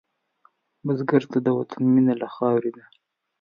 بزګر ته د وطن مینه له خاورې ده